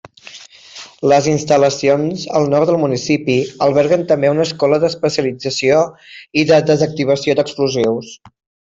Les instal·lacions, al nord del municipi, alberguen també una escola d'especialització i de desactivació d'explosius.